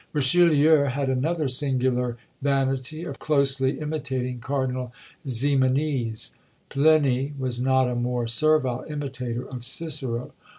Richelieu had another singular vanity, of closely imitating Cardinal Ximenes. Pliny was not a more servile imitator of Cicero.